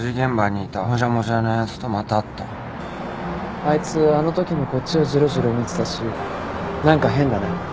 あいつあのときもこっちをじろじろ見てたし何か変だね。